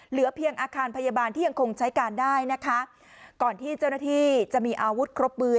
เหลือเพียงอาคารพยาบาลที่ยังคงใช้การได้นะคะก่อนที่เจ้าหน้าที่จะมีอาวุธครบมือ